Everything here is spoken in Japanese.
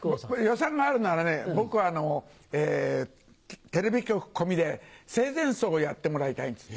予算があるなら僕はあのテレビ局込みで生前葬をやってもらいたいんです。